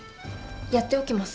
やっておきます。